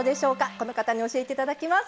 この方に教えていただきます。